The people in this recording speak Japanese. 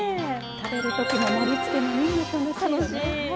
食べる時の盛りつけもみんな楽しいよね。